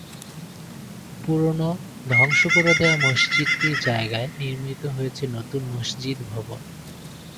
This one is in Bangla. পুরোনো, ধ্বংস করে দেয়া মসজিদটির জায়গায় নির্মিত হয়েছে নতুন মসজিদ ভবন।